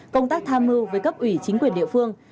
công tác tham mưu với cấp ủy chính quyền địa phương